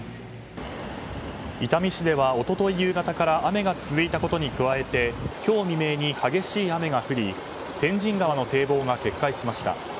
伊丹市では、一昨日夕方から雨が続いたことに加えて今日未明に激しい雨が降り天神川の堤防が決壊しました。